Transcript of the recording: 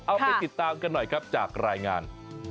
เอาไปติดตามกันหน่อยครับจากรายงาน